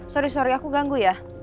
sorry sorry aku ganggu ya